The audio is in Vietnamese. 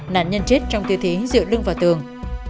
nạn nhân chết trong tiêu thí dựa lưng vào tường